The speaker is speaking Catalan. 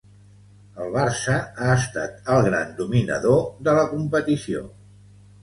El Barça ha estat el gran dominador de la competició.